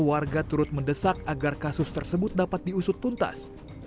warga turut mendesak agar kasus tersebut dapat diusut tuntas